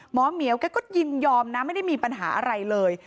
เหมียวแกก็ยินยอมนะไม่ได้มีปัญหาอะไรเลย